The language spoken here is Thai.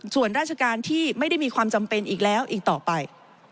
ส่วนราชการที่ไม่ได้มีความจำเป็นอีกแล้วอีกต่อไป